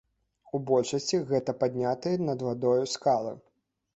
У большасці гэта паднятыя над вадою скалы.